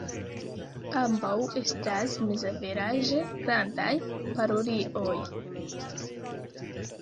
Ambaŭ estas mezaveraĝe grandaj parulioj.